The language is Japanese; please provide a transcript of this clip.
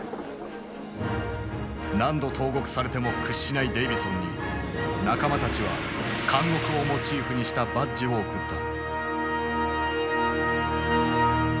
何度投獄されても屈しないデイヴィソンに仲間たちは監獄をモチーフにしたバッジを贈った。